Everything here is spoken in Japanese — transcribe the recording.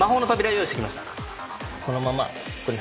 そのままここに。